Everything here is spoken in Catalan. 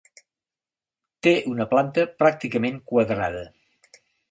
Té una planta pràcticament quadrada.